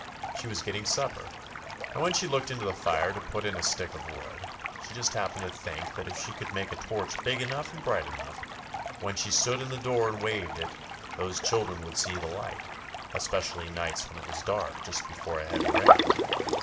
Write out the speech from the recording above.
She was getting supper, and when she looked into the fire to put in a stick of wood, she just happened to think that if she could make a torch big enough and bright enough, when she stood in the door and waved it, those children would see the light, especially nights when it was dark just before a heavy rain.